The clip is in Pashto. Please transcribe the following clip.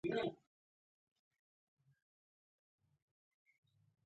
يو مهم بديل برابروي